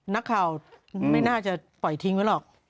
นักข่าวไม่น่าจะปล่อยทิ้งไว้หรอก